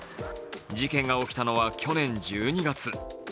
事件が起きたのは去年１２月。